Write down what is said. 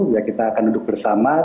ya kita akan duduk bersama